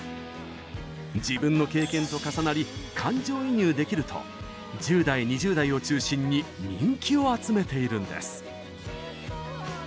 「自分の経験と重なり感情移入できる」と１０代、２０代を中心に人気を集めているんです。